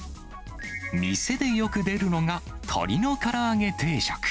店でよく出るのが、鶏のから揚げ定食。